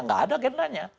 nggak ada agendanya